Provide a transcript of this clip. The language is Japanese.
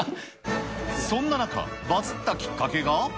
そんな中、バズったきっかけが。